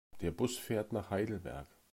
Der Bus fährt nach Heidelberg